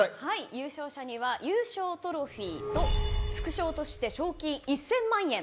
優勝者には、優勝トロフィーと副賞として賞金１０００万円。